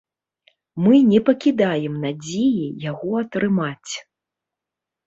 Мы не пакідаем надзеі яго атрымаць.